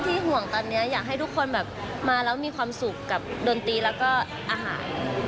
ห่วงตอนนี้อยากให้ทุกคนแบบมาแล้วมีความสุขกับดนตรีแล้วก็อาหาร